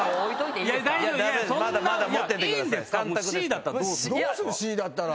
Ｃだったら。